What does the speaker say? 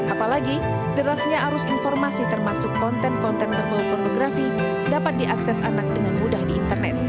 apalagi derasnya arus informasi termasuk konten konten berbau pornografi dapat diakses anak dengan mudah di internet